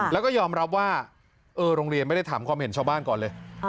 แล้วก็ยอมรับว่าโรงเรียนไม่ได้ถามความเห็นชาวบ้านก่อนเลย